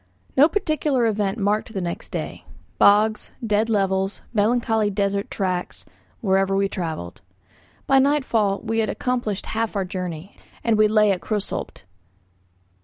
No particular event marked the next day. Bogs, dead levels, melancholy desert tracks, wherever we travelled. By nightfall we had accomplished half our journey, and we lay at Krösolbt.